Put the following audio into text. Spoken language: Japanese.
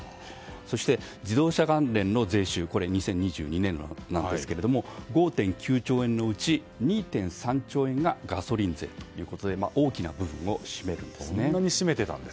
そして、自動車関連の税収２０２２年度ですが５．９兆円のうち２．３兆円がガソリン税ということで大きな部分を占めるんです。